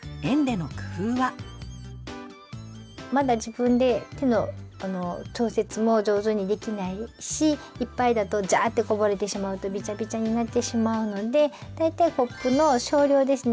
まだ自分で手の調節もじょうずにできないしいっぱいだとジャーってこぼれてしまうとビチャビチャになってしまうので大体コップの少量ですね。